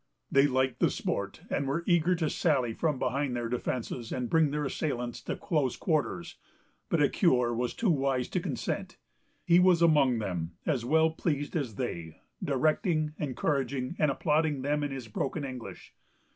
They liked the sport, and were eager to sally from behind their defences, and bring their assailants to close quarters; but Ecuyer was too wise to consent. He was among them, as well pleased as they, directing, encouraging, and applauding them in his broken English.